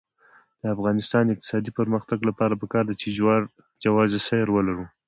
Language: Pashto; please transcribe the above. د افغانستان د اقتصادي پرمختګ لپاره پکار ده چې جواز سیر ولرو.